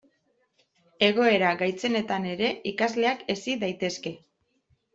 Egoera gaitzenetan ere ikasleak hezi daitezke.